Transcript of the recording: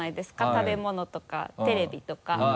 食べ物とかテレビとか。